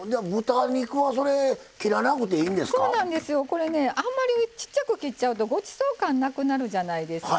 これねあんまりちっちゃく切っちゃうとごちそう感なくなるじゃないですか。